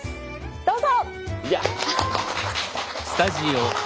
どうぞ！